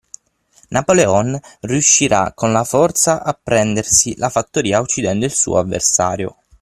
Napoleon riuscirà con la forza a prendersi la fattoria uccidendo il suo avversario.